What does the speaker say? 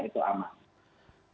tentunya itu aman